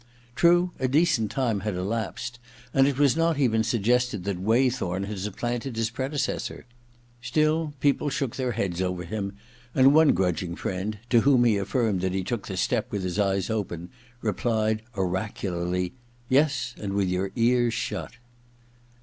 True, a decent time had elaps^, and it was not even suggested that Waythorn had supplanted his predecessor. People shook their heads over him, however, and one grudging friend, to whom he aiffirmed 44 THE OTHER TWO i • that he took the step with his eyes open, replied oracularly :* Yes — and with your ears shut.'